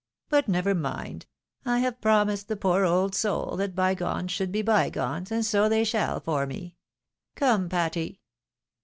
— ^But never mind ! I have promised the poor old soul that bygones should be bygones, and so they shall for me. Come, Patty."